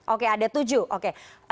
oke ada tujuh